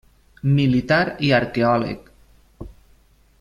Militar i arqueòleg.